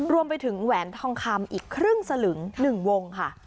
รวมไปถึงแหวนทองคำอีกครึ่งสลึง๑วงค่ะ